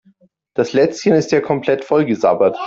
Das Lätzchen ist ja komplett vollgesabbert.